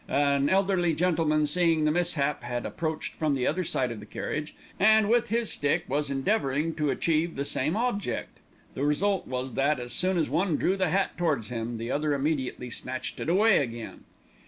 An elderly gentleman, seeing the mishap, had approached from the other side of the carriage and, with his stick, was endeavouring to achieve the same object. The result was that, as soon as one drew the hat towards him, the other immediately snatched it away again.